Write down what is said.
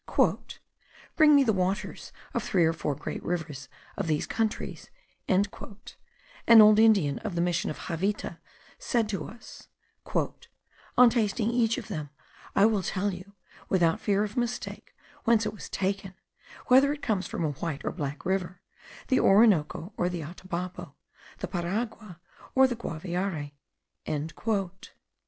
"Bring me the waters of three or four great rivers of these countries," an old Indian of the mission of Javita said to us; "on tasting each of them I will tell you, without fear of mistake, whence it was taken; whether it comes from a white or black river; the Orinoco or the Atabapo, the Paragua or the Guaviare."